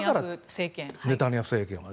ネタニヤフ政権は。